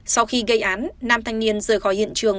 sau khi gây án nam thanh niên rời khỏi hiện trường